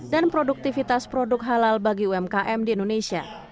dan produktivitas produk halal bagi umkm di indonesia